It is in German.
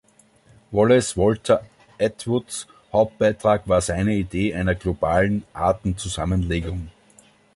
Wallace Walter Atwoods Hauptbeitrag war seine Idee einer globalen Artenzusammenlegung.